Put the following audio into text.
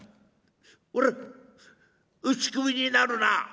俺打ち首になるなあ」。